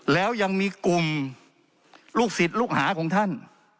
แล้วยังมีกลุ่มลูกศิษย์ลูกหาของท่าน